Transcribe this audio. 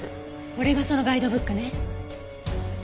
これがそのガイドブックね。